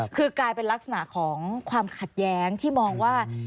คือกลายเป็นลักษณะของความขัดแย้งที่มองว่า